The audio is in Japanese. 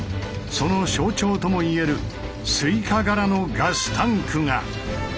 その象徴ともいえるスイカ柄のガスタンクが。